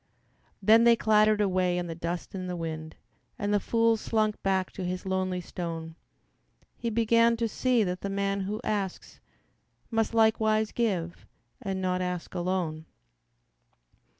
Then they clattered away in the dust and the wind, And the fool slunk back to his lonely stone; He began to see that the man who asks Must likewise give and not ask alone.